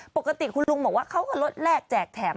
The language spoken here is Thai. ปกติคุณลุงบอกว่าเขาก็ลดแรกแจกแถม